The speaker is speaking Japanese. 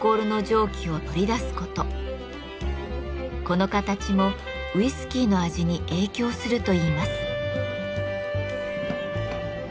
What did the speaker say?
この形もウイスキーの味に影響するといいます。